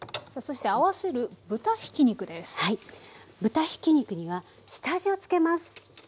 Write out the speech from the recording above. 豚ひき肉には下味をつけます。